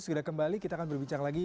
segera kembali kita akan berbicara lagi